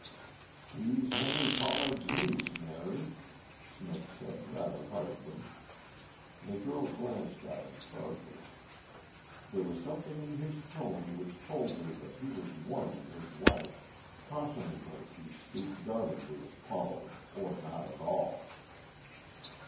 "She's Henry Pollard's niece, Mary," Smith said rather hurriedly. The girl glanced at him sharply. There was something in his tone which told her that he was warning his wife, cautioning her to speak guardedly of Pollard or not at all.